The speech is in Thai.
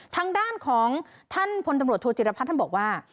ทางด้านของท่านพลตำรวจโทจิรพัฒน์ท่านบอกว่า